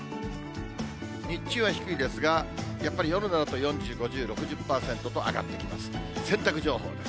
日中は低いですが、やっぱり夜になると、４０、５０、６０％と上がってきます。